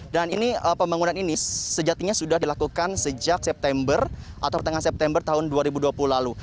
dan ini pembangunan ini sejatinya sudah dilakukan sejak september atau tengah september tahun dua ribu dua puluh lalu